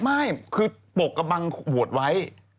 ไม่คือปกบังขวดไว้